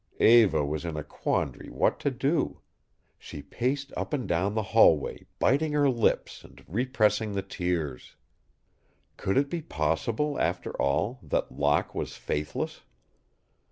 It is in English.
Eva was in a quandary what to do. She paced up and down the hallway, biting her lips and repressing the tears. Could it be possible, after all, that Locke was faithless?